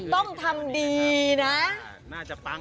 ต้องทำดีนะ